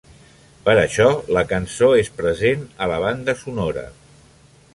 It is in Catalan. Per això, la cançó és present a la banda sonora.